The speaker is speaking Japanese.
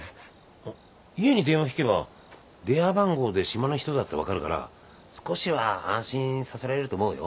あっ家に電話ひけば電話番号で島の人だって分かるから少しは安心させられると思うよ。